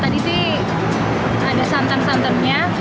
tadi sih ada santan santannya